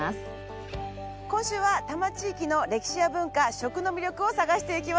今週は多摩地域の歴史や文化食の魅力を探していきます。